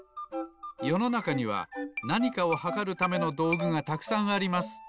よのなかにはなにかをはかるためのどうぐがたくさんあります。